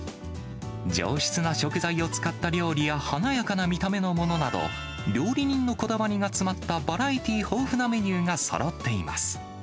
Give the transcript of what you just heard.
上質な食材を使った料理や華やかな見た目のものなど、料理人のこだわりが詰まったバラエティー豊富なメニューがそろっています。